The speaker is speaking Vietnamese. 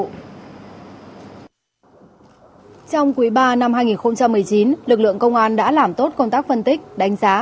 trong quý ba năm hai nghìn một mươi chín lực lượng công an đã làm tốt công tác phân tích đánh giá